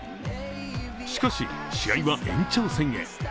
しかし、試合は延長戦へ。